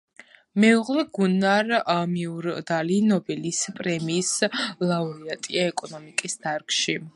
მეუღლე გუნარ მიურდალი ნობელის პრემიის ლაურეატია ეკონომიკის დარგში.